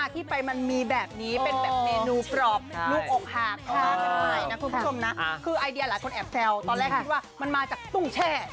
คนแอบแซวตอนแรกคิดว่ามันมาจากตุ้งแช่